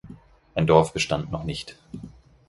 Ein Dorf bestand noch nicht.